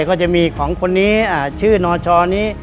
ก็จะมีของคนนี้ชื่อนชนี้